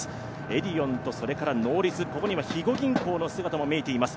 エディオンとノーリツ、ここには肥後銀行の姿も見えています。